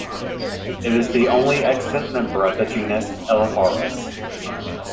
It is the only extant member of the genus "Elaphurus".